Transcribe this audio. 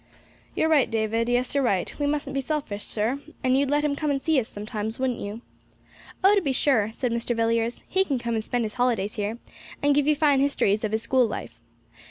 'You're right, David; yes, your right. We mustn't be selfish, sir; and you'd let him come and see us sometimes, wouldn't you?' 'Oh, to be sure,' said Mr. Villiers; 'he can come and spend his holidays here, and give you fine histories of his school life.